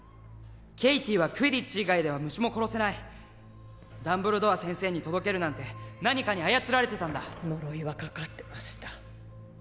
ケイティはクィディッチ以外では虫も殺せないダンブルドア先生に届けるなんて何かに操られてたんだ呪いはかかってました